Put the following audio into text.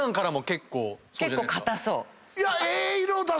結構硬そう。